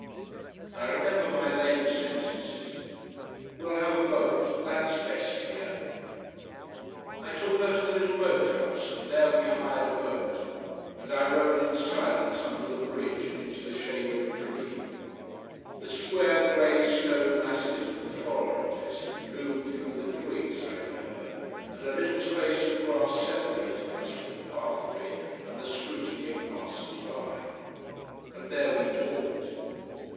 I remember my lame sentences. "We'll have a boat. That's best here." I took her to the little boat house, and there we hired a boat, and I rowed in silence under the bridge and into the shade of a tree. The square grey stone masses of the Foreign Office loomed through the twigs, I remember, and a little space of grass separated us from the pathway and the scrutiny of passers by. And there we talked.